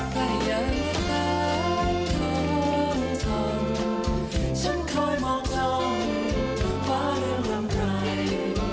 แต่อย่างนั้นก็ข้อมูลค่ะฉันคอยมองจังว่าเรื่องหล่ำตาย